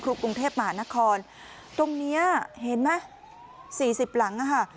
กรุงเทพมหานครตรงเนี้ยเห็นไหมสี่สิบหลังอ่ะค่ะ